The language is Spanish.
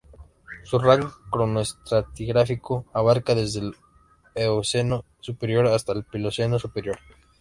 Su rango cronoestratigráfico abarca desde el Eoceno superior hasta el Plioceno superior.